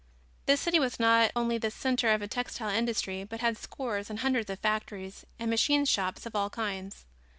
This city was not only the center of the textile industry, but had scores and hundreds of factories and machine shops of all kinds.